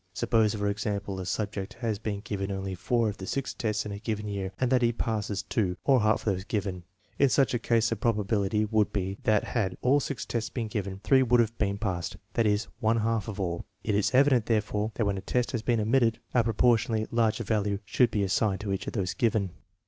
Sup pose, for example, a subject has been given only four of the six tests in a given year, and that he passes two, or half of those given. In such a case the probability would be that had all six tests been given, three would have been passed; that is, one half of all. It is evident, therefore, that when a test has been omitted, a proportionately larger value should be assigned to each of those given.